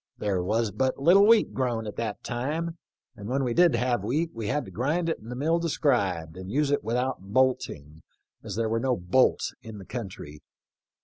There was but little wheat grown at that time, and when we did have wheat we had to grind it in the mill described and use it without bolting, as there were no bolts in the country.